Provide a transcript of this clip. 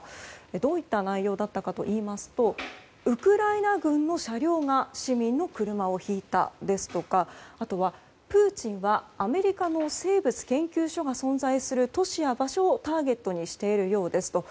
どういった内容だったかといいますとウクライナ軍の車両が市民の車をひいた、ですとかプーチンはアメリカの生物研究所が存在する都市や場所をターゲットにしているようですと。